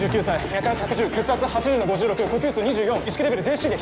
脈拍１１０血圧８０の５６呼吸数２４意識レベルＪＣＳで１００です。